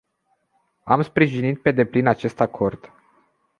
Am sprijinit pe deplin acest acord.